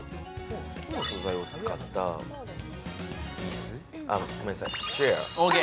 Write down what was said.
木の素材を使った椅子、ごめんなさい